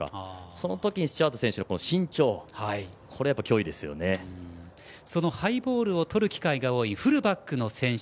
その時にスチュワード選手の身長そのハイボールをとる機会が多いフルバックの選手